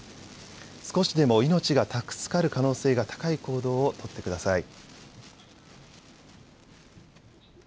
少しでも命が助かる可能性が高い行動を取ってください。